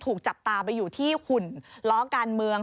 ถูกจับตาไปอยู่ที่หุ่นล้อการเมือง